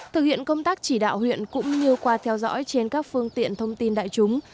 thực hiện công tác chỉ đạo huyện cũng như qua theo dõi trên các phương tiện thông tin đại chúng